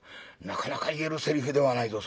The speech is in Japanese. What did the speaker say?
なかなか言えるせりふではないぞ」。